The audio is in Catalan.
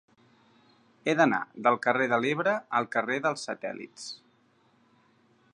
He d'anar del carrer de l'Ebre al carrer dels Satèl·lits.